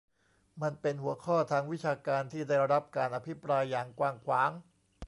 มันเป็นหัวข้อทางวิชาการที่ได้รับการอภิปรายอย่างกว้างขวาง